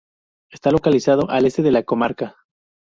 Está localizado al este de la comarca.